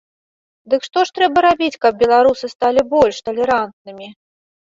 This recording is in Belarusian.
Дык што ж трэба рабіць, каб беларусы сталі больш талерантнымі?